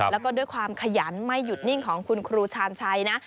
แล้วก็ด้วยความขยันไม่หยุดนิ่งของคุณครูชาญชัยนะ